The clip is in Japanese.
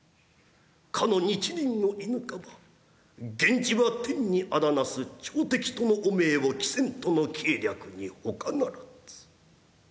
かの日輪を射ぬかば源氏は天にあだなす朝敵との汚名を着せんとの計略にほかならず」。